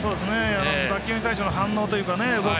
打球に対しての反応というか、動き